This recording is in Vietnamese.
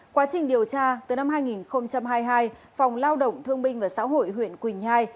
quá trình điều tra từ năm hai nghìn hai mươi hai phòng lao động thương binh và xã hội huyện quỳnh nhai